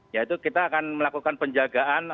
yaitu kita akan melakukan penjagaan